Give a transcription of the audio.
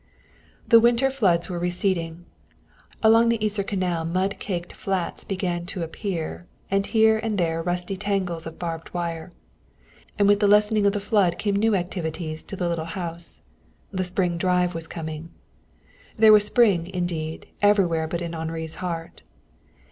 The winter floods were receding. Along the Yser Canal mud caked flats began to appear, with here and there rusty tangles of barbed wire. And with the lessening of the flood came new activities to the little house. The spring drive was coming. There was spring indeed, everywhere but in Henri's heart.